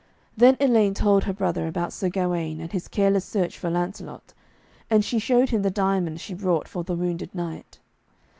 Then Elaine told her brother about Sir Gawaine, and his careless search for Lancelot, and she showed him the diamond she brought for the wounded knight.